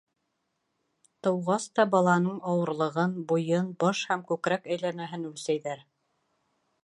Тыуғас та, баланың ауырлығын, буйын, баш һәм күкрәк әйләнәһен үлсәйҙәр.